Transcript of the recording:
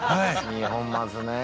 二本松ね。